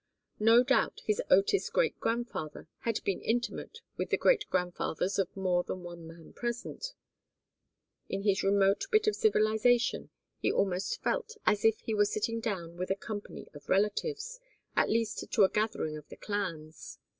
No doubt his Otis great grandfather had been intimate with the great grandfathers of more than one man present; in this remote bit of civilization he almost felt as if he were sitting down with a company of relatives, at the least to a gathering of the clans.